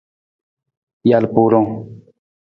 Jalpurung.